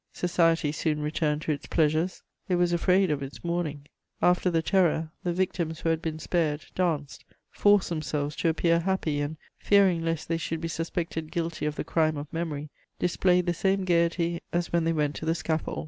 Society soon returned to its pleasures; it was afraid of its mourning: after the Terror, the victims who had been spared danced, forced themselves to appear happy and, fearing lest they should be suspected guilty of the crime of memory, displayed the same gaiety as when they went to the scaffold.